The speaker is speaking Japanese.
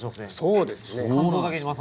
そうですね